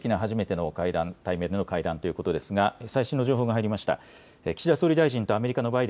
本格的の初めての会談、対面による会談ということですが最新の情報が入りました。